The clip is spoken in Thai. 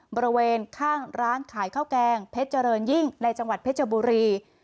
บริเวณข้างร้านขายข้าวแกงเพชรเจริญยิ่งในจังหวัดเพชรบุรี